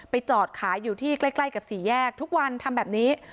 จอดขายอยู่ที่ใกล้กับสี่แยกทุกวันทำแบบนี้